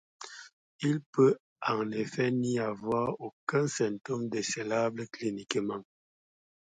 Il peut en effet n'y avoir aucun symptôme décelable cliniquement.